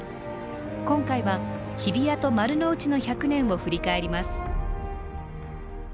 今回は日比谷と丸の内の１００年を振り返ります。